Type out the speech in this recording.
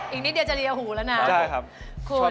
อีกนิดเดียวจะเรียหูแล้วนะ